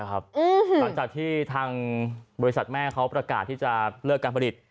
หลังจากที่ทางบริษัทแม่เขาประกาศที่จะเลิกการผลิต